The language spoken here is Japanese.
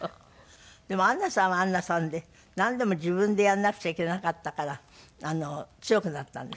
でもアンナさんはアンナさんでなんでも自分でやらなくちゃいけなかったから強くなったんですって？